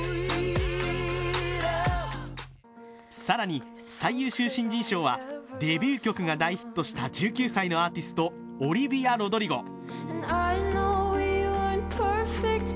更に、最優秀新人賞はデビュー曲が大ヒットした１９歳のアーティストオリヴィア・ロドリゴ。